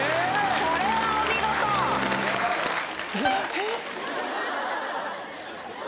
これはお見事えっ？